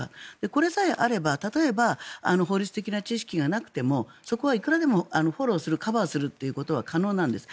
これさえあれば例えば、法律的な知識がなくてもそこはいくらでもフォローするカバーするということは可能なんです。